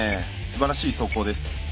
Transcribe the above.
すばらしい走行です。